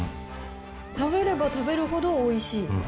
食べれば食べるほどおいしい。